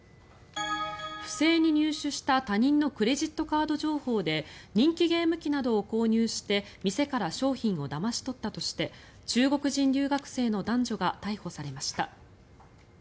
不正に入手した他人のクレジットカード情報で人気ゲーム機などを購入して店から商品をだまし取ったとして中国人留学生の男女が逮捕されました。